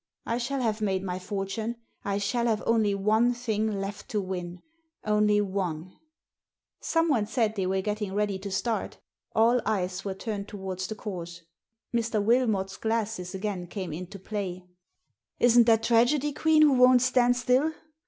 I shall have made my fortune. I shall have only one thing left to win. Only one !" Someone said they were getting ready to start All cyQS were turned towards the course. Mr. Wil mot's glasses again came into play. " Isn't that Tragedy Queen who won't stand still